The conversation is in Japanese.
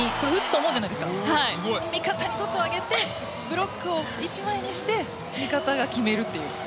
味方にトスを上げてブロックを１枚にして味方が決めるという。